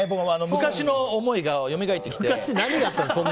昔の思いがよみがえってきて。